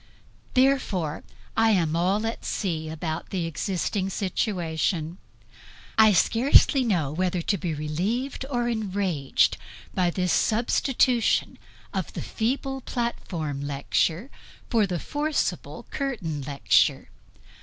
Therefore I am all at sea about the existing situation; I scarcely know whether to be relieved or enraged by this substitution of the feeble platform lecture for the forcible curtain lecture.